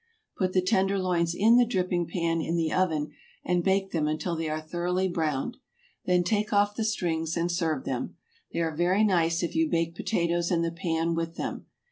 Put the tenderloins in the dripping pan in the oven and bake them until they are thoroughly browned. Then take off the strings and serve them. They are very nice if you bake potatoes in the pan with them.